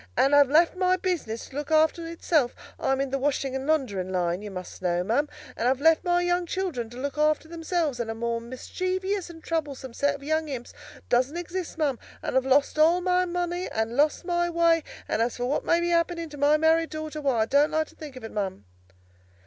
And I've left my business to look after itself—I'm in the washing and laundering line, you must know, ma'am—and I've left my young children to look after themselves, and a more mischievous and troublesome set of young imps doesn't exist, ma'am; and I've lost all my money, and lost my way, and as for what may be happening to my married daughter, why, I don't like to think of it, ma'am!"